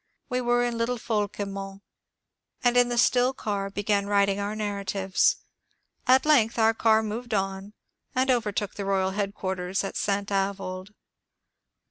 We were in little Faulquemont ; and in the still car began writing our narratives. At length our car moved on and overtook the royal headquarters at St. Avoid.